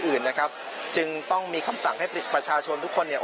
อื่นนะครับจึงต้องมีคำสั่งให้ประชาชนทุกคนเนี่ย